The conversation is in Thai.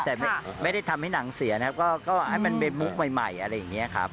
แต่ไม่ได้ทำให้หนังเสียนะครับก็ให้มันเป็นมุกใหม่อะไรอย่างนี้ครับ